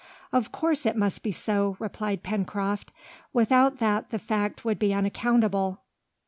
"Of course it must be so," replied Pencroft, "without that the fact would be unaccountable."